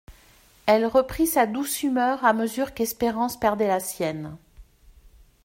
Elle reprit sa douce humeur à mesure qu'Espérance perdait la sienne.